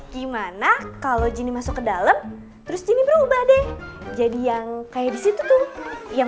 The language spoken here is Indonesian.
gimana kalau gini masuk ke dalam terus gini berubah deh jadi yang kayak disitu tuh yang